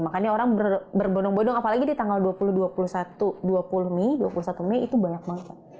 makanya orang berbonong bodong apalagi di tanggal dua puluh dua puluh satu dua puluh mei dua puluh satu mei itu banyak banget pak